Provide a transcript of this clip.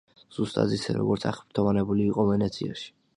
ზუსტად ისე, როგორც აღფრთოვანებული იყო ვენეციაში.